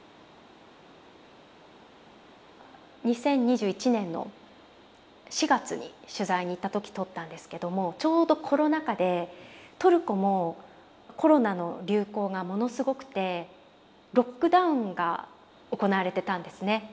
２０２１年の４月に取材に行った時撮ったんですけどもちょうどコロナ禍でトルコもコロナの流行がものすごくてロックダウンが行われてたんですね。